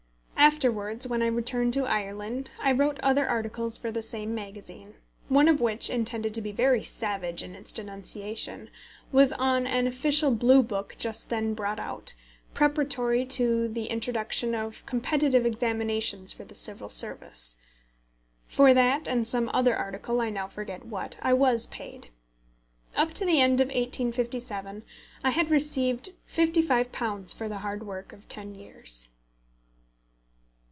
Afterwards, when I returned to Ireland, I wrote other articles for the same magazine, one of which, intended to be very savage in its denunciation, was on an official blue book just then brought out, preparatory to the introduction of competitive examinations for the Civil Service. For that and some other article, I now forget what, I was paid. Up to the end of 1857 I had received £55 for the hard work of ten years.